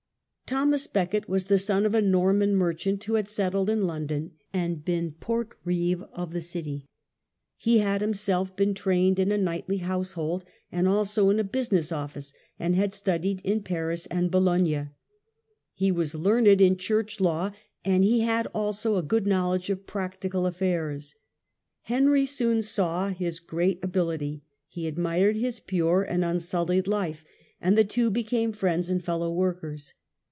Thomas Becket was the son of a Norman merchant who had settled in London, and been port reeve of the city. He had himself been trained in a Thomas knightly household, and also in a business Becket the office, and had studied at Paris and Bologna. c°*^*"°^ He was learned in church law, and he had also a good knowledge of practical affairs. Henry soon saw his great ability, he admired his pure, unsullied life, and the two 20 BECKET THE CHANCELLOR. became friends and fellow workers.